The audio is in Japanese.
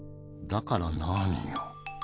だから何よ？